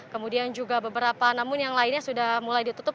kemudian juga beberapa namun yang lainnya sudah mulai ditutup